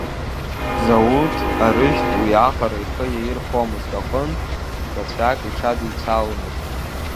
Мзауҭ арыжәтә уиаҟара ихы иаирхәомызт аҟынтә, рацәак иҽадицаломызт.